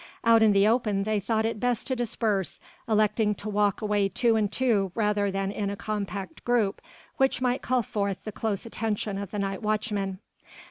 Out in the open they thought it best to disperse, electing to walk away two and two rather than in a compact group which might call forth the close attention of the night watchmen.